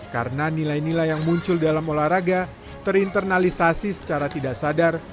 karena nilai nilai yang muncul dalam olahraga terinternalisasi secara tidak sadar